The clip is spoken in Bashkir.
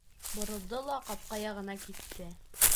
Боролдо ла ҡапҡа яғына китте.